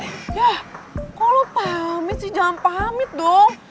yah kalau pamit sih jangan pamit dong